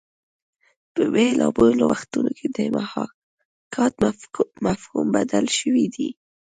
په بېلابېلو وختونو کې د محاکات مفهوم بدل شوی دی